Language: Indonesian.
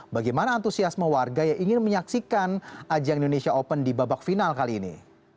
bagaimana antusiasme warga yang ingin menyaksikan ajang indonesia open di babak final kali ini